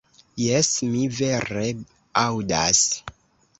Jes, mi vere aŭdas!